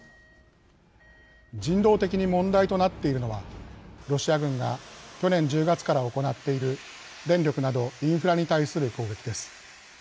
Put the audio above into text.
人道的に問題となっているのはロシア軍が去年１０月から行っている電力などインフラに対する攻撃です。